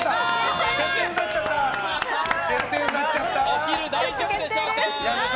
お昼、大丈夫でしょうか。